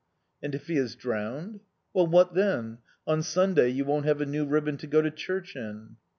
"And if he is drowned?" "Well, what then? On Sunday you won't have a new ribbon to go to church in."